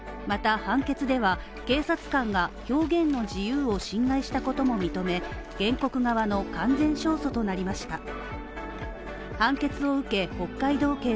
また判決では警察官が表現の自由を侵害したことも認め原告側の完全勝訴となりました。